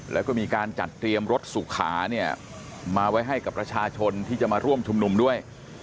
แล้วก็มีการจัดเตรียมรถสุขาเนี่ยมาไว้ให้กับประชาชนที่จะมาร่วมชุมนุมด้วย